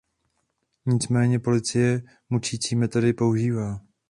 Nicméně policie mučicí metody používá.